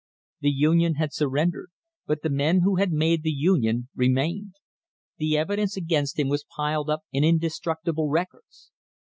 The Union had surrendered, but the men who had made the Union remained; the evidence against him was piled up in indestructible records.